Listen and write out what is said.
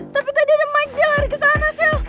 tapi tadi ada mike dilar kesana shell